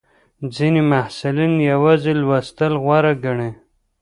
ځینې محصلین یوازې لوستل غوره ګڼي.